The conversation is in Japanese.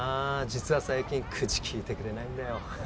実は最近口きいてくれないんだよ